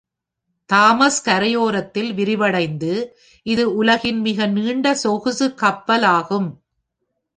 Thomas கரையோரத்தில் விரிவடைந்து, இது உலகின் மிக நீண்ட சொகுசு கப்பல் ஆகும்.